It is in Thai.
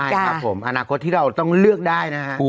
ใช่ครับผมอนาคตที่เราต้องเลือกได้นะฮะ